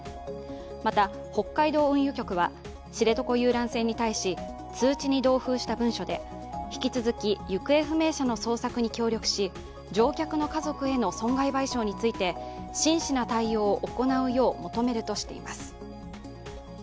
また、北海道運輸局は、知床遊覧船に対し、通知に同封した文書で、引き続き、行方不明者の捜索に協力し乗客の家族への損害賠償について真摯な対応を行うよう求めるとしています。